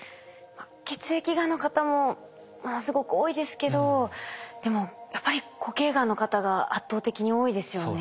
血液がんの方もものすごく多いですけどでもやっぱり固形がんの方が圧倒的に多いですよね。